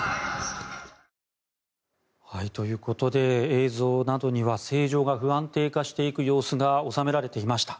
映像などには政情が不安定化していく様子が収められていました。